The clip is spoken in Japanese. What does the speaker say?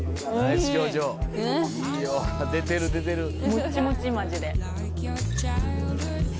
もっちもちマジで。